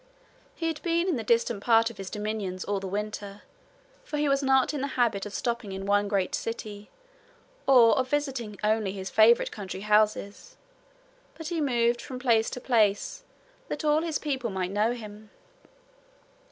He had been in a distant part of his dominions all the winter, for he was not in the habit of stopping in one great city, or of visiting only his favourite country houses, but he moved from place to place, that all his people might know him.